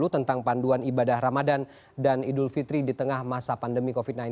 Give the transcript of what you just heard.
tentang panduan ibadah ramadan dan idul fitri di tengah masa pandemi covid sembilan belas